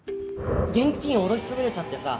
現金下ろしそびれちゃってさ。